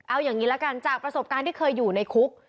เอาอย่างนี้ละกันจากประสบการณ์ที่เคยอยู่ในคุก